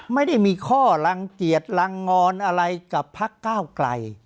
ไม่ได้มีข้อลังเกียจลังงอนอะไรกับพักก้าวไกล